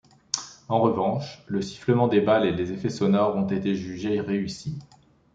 En revanche, le sifflements des balles et les effets sonores ont été jugés réussis.